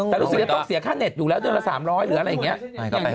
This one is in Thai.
แต่เราต้องเสียค่าเน็ตอยู่แล้ว๓๐๐บาทหรืออะไรอย่างเงี้ย